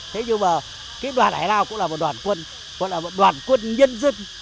thế nhưng mà cái đoàn ải lao cũng là một đoàn quân cũng là một đoàn quân nhân dân